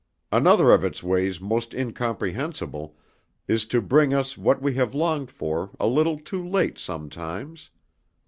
Another of its ways most incomprehensible is to bring us what we have longed for a little too late sometimes.